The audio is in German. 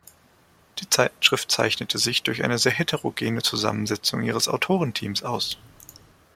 Die Zeitschrift zeichnete sich durch eine sehr heterogene Zusammensetzung ihres Autorenteams aus.